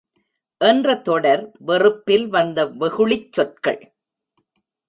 என்ற தொடர் வெறுப்பில் வந்த வெகுளிச் சொற்கள்.